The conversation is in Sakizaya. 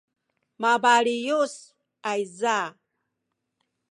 mabaliyus ayza